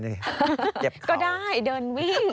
เก็บเข่าก็ได้เดินวิ่ง